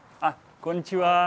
こんにちは。